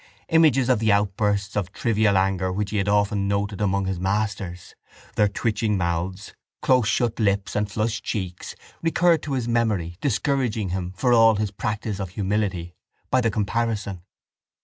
Images of the outbursts of trivial anger which he had often noted among his masters, their twitching mouths, closeshut lips and flushed cheeks, recurred to his memory, discouraging him, for all his practice of humility, by the comparison.